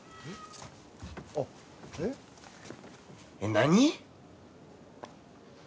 何？